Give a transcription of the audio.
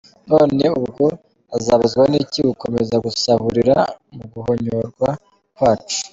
None ubwo azabuzwa n’iki gukomeza gusahurira mu guhonyorwa kwacu?